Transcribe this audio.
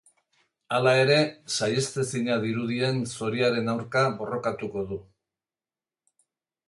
Hala ere, saihestezina dirudien zoriaren aurka borrokatuko du.